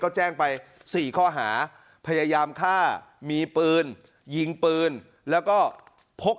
ก็แจ้งไป๔ข้อหาพยายามฆ่ามีปืนยิงปืนแล้วก็พก